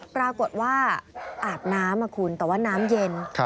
ปรากฏว่าอาบน้ำคุณแต่ว่าน้ำเย็น